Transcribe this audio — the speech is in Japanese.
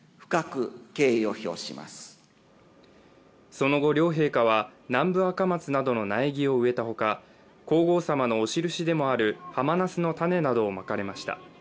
その後、両陛下は南部アカマツなどの苗木を植えたほか皇后さまのお印でもあるハマナスの種などをまかれました。